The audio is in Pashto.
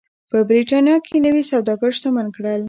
په برېټانیا کې نوي سوداګر شتمن کړل.